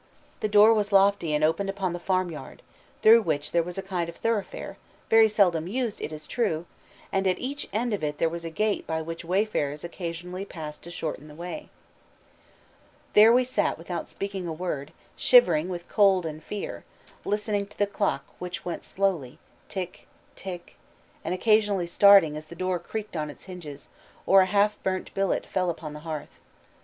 The door was lofty and opened upon the farmyard, through which there was a kind of thoroughfare, very seldom used, it is true, and at each end of it there was a gate by which wayfarers occasionally passed to shorten the way. There we sat without speaking a word, shivering with cold and fear, listening to the clock which went slowly, tick, tick, and occasionally starting as the door creaked on its hinges, or a half burnt billet fell upon the hearth.